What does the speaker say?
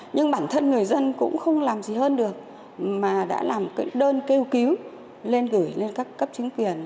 nhưng bản thân người dân cũng không làm gì hơn được mà đã làm cái đơn kêu cứu lên gửi lên các cấp chính quyền